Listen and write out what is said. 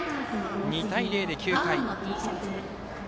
２対０で９回。